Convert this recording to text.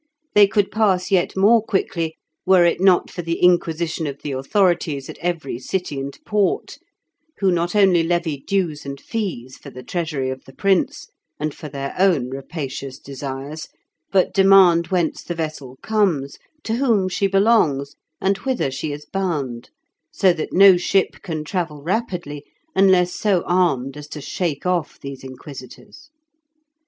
They could pass yet more quickly were it not for the inquisition of the authorities at every city and port, who not only levy dues and fees for the treasury of the prince, and for their own rapacious desires, but demand whence the vessel comes, to whom she belongs, and whither she is bound, so that no ship can travel rapidly unless so armed as to shake off these inquisitors.